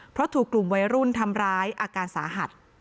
เพราะถูกกลุ่มวัยรุ่นทำร้ายอาการสาหัส